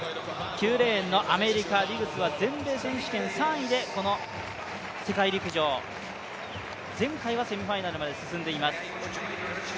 ９レーンのアメリカディグスは全米選手権３位でこの世陸陸上、前回はセミファイナルまで進んでいます。